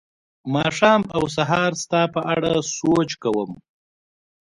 ماښام او سهار ستا په اړه سوچ کوم